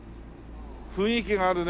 雰囲気があるね。